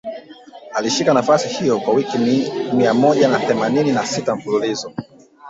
Alishika nafasi hiyo kwa wiki mia moja themanini na sita mfululizo